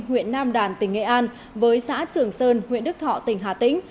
huyện nam đàn tỉnh nghệ an với xã trường sơn huyện đức thọ tỉnh hà tĩnh